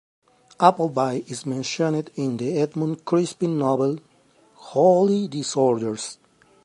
Appleby is mentioned in the Edmund Crispin novel "Holy Disorders".